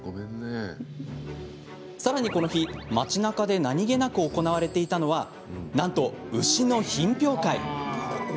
さらにこの日、町なかで何気なく行われていたのはなんと、牛の品評会。